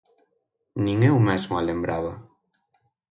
Nin eu mesmo a lembraba.